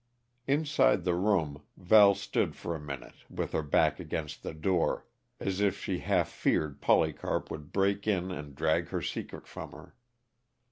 Inside the room, Val stood for a minute with her back against the door, as if she half feared Polycarp would break in and drag her secret from her.